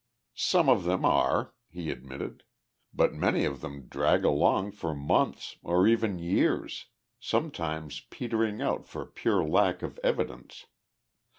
"Some of them are," he admitted, "but many of them drag along for months or even years, sometimes petering out for pure lack of evidence.